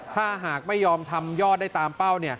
ถ้าหากไม่ยอมทำยอดได้ตามเป้า